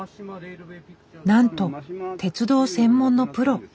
なんと鉄道専門のプロ。